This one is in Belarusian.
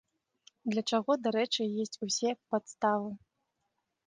Для чаго, дарэчы, ёсць усе падставы.